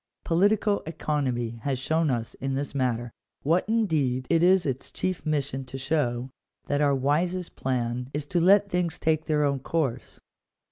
Political economy has shown us in this matter — what indeed it is its chief mission to show — that our wisest plan is to let things take their own course.